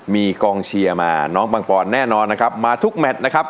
มีกองเชียร์มาน้องปังปอนแน่นอนนะครับมาทุกแมทนะครับ